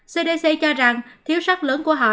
cdc cho rằng thiếu sắc lớn của họ